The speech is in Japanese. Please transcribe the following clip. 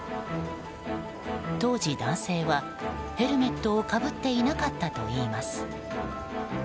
当時、男性はヘルメットをかぶっていなかったといいます。